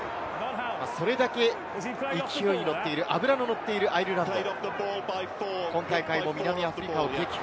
それだけ勢いに乗っている、脂の乗っているアイルランド、今大会も南アフリカを撃破。